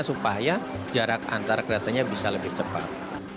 supaya jarak antara keretanya bisa lebih cepat